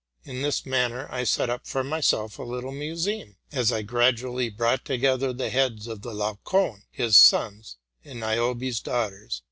In this manner I set up for myself a little museum; as I gradually brought together the heads of the Laocoon, his sons, and Niobe's daughters.